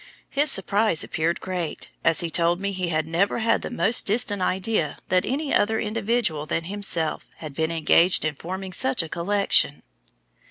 His surprise appeared great, as he told me he had never had the most distant idea that any other individual than himself had been engaged in forming such a collection.